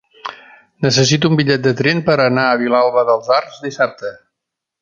Necessito un bitllet de tren per anar a Vilalba dels Arcs dissabte.